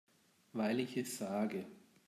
Weil ich es sage.